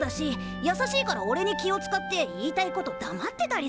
やさしいからおれに気をつかって言いたいことだまってたりするんすよ。